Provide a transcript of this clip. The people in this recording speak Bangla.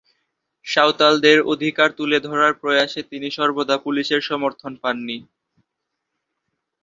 সাঁওতালদের অধিকার তুলে ধরার প্রয়াসে তিনি সর্বদা পুলিশের সমর্থন পাননি।